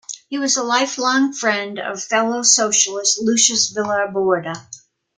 He was a life-long friend of fellow socialist Luis Villar Borda.